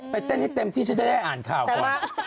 ไปเต้นให้เต็มที่จะได้อ่านข่าวค่อย